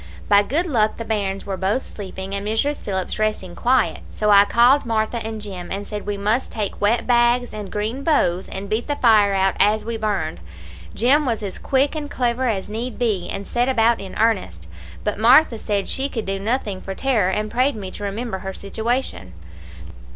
By good luck the bairns were both sleeping, and Mrs. Phillips resting quiet, so I called Martha and Jim, and said we must take wet bags and green boughs and beat the fire out as we burned. Jim was as quick and clever as need be, and set about in earnest; but Martha said she could do nothing for terror, and prayed me to remember her situation.